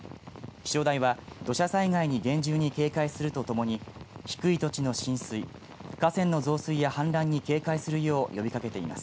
気象台は土砂災害に厳重に警戒するとともに低い土地の浸水河川の増水や氾濫に警戒するよう呼びかけています。